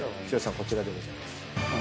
こちらでございます。